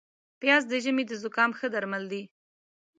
پیاز د ژمي د زکام ښه درمل دي